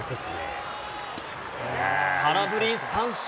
空振り三振。